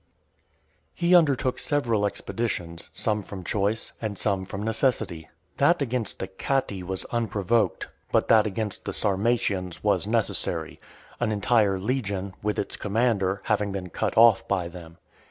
VI. He undertook several expeditions, some from choice, and some from necessity. That against the Catti was unprovoked, but that against the Sarmatians was necessary; an entire legion, with its commander, having been cut off by them.